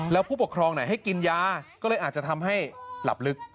แล้วผู้ปกครองไหนให้กินยาก็เลยอาจจะทำให้หลับลึก